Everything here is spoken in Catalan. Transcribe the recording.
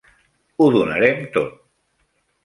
Ho donarem tot.